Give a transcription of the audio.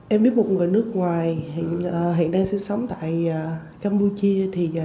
em biết một người nước ngoài hiện đang sinh sống tại campuchia